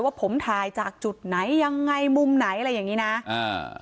ว่าผมถ่ายจากจุดไหนยังไงมุมไหนอะไรอย่างงี้นะอ่า